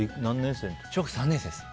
小学校３年生です。